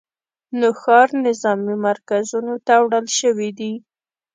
نوښار نظامي مرکزونو ته وړل شوي دي